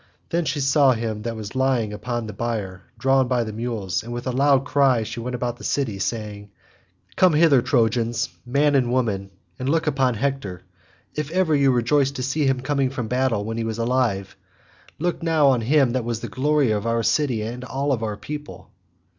Then she saw him that was lying upon the bier, drawn by the mules, and with a loud cry she went about the city saying, "Come hither Trojans, men and women, and look on Hector; if ever you rejoiced to see him coming from battle when he was alive, look now on him that was the glory of our city and all our people."